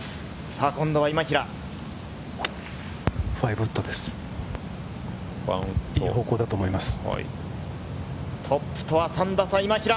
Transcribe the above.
さぁ今度は今平。